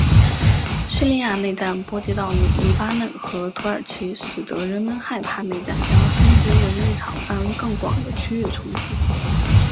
叙利亚内战波及到黎巴嫩和土耳其使得人们害怕内战将升级为一场范围更广的区域冲突。